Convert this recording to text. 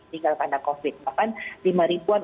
tinggal karena covid bahkan lima ribuan